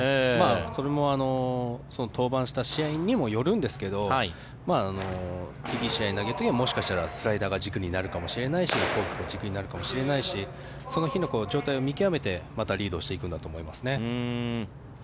それも登板した試合にもよるんですが次、試合で投げる時はもしかしたらスライダーが軸になるかもしれないしフォークが軸になるかもしれないしその日の状態を見極めてまたリードをしていくんだと思います。